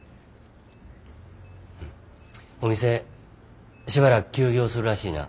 お店しばらく休業するらしいな。